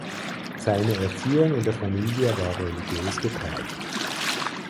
Seine Erziehung in der Familie war religiös geprägt.